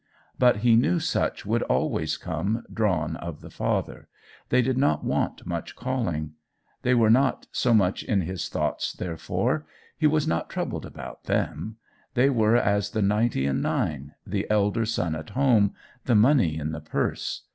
But he knew such would always come drawn of the Father; they did not want much calling; they were not so much in his thoughts therefore; he was not troubled about them; they were as the ninety and nine, the elder son at home, the money in the purse.